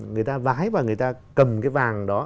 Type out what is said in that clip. người ta vái và người ta cầm cái vàng đó